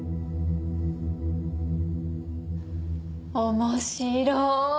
面白い！